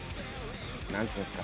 何つうんですか。